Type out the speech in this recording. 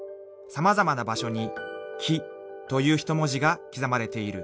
様々な場所に「氣」という一文字が刻まれている］